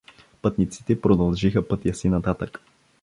Пътниците продължиха пътя си нататък.